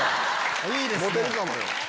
モテるかもよ。